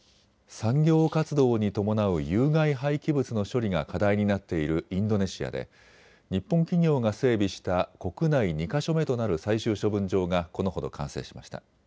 産業活動に伴う有害廃棄物の処理が課題になっているインドネシアで日本企業が整備した国内２か所目となる最終処分場がこのほど完成しました。